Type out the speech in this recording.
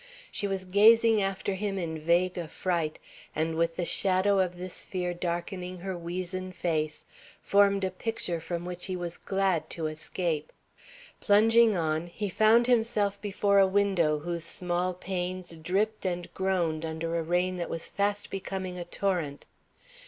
She was gazing after him in vague affright, and with the shadow of this fear darkening her weazen face, formed a picture from which he was glad to escape. Plunging on, he found himself before a window whose small panes dripped and groaned under a rain that was fast becoming a torrent.